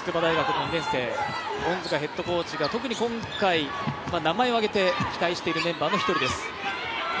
筑波大学の２年生ヘッドコーチが、特に今回、名前を挙げて期待しているメンバーの一人です。